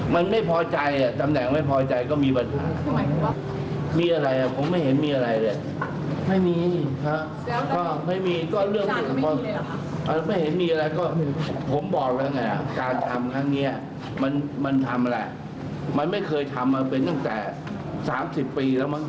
มันทำแหละมันไม่เคยทำมาเป็นตั้งแต่๓๐ปีแล้วมั้ง